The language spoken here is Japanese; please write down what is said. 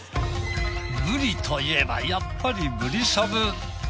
ブリといえばやっぱりブリしゃぶ。